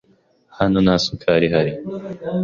Hano nta sukari ihari.